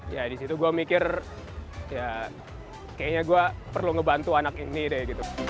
ya di situ gue mikir ya kayaknya gue perlu ngebantu anak ini deh